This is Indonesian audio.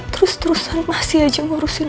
terus terusan masih aja ngurusin